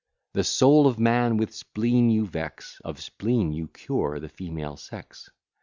The soul of man with spleen you vex; Of spleen you cure the female sex.